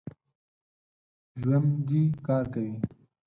ژوندي کار کوي